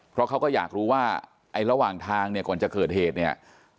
เพราะเขาก็อยากรู้ว่าไอ้ระหว่างทางเนี่ยก่อนจะเกิดเหตุเนี่ย